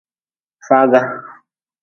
Faaga.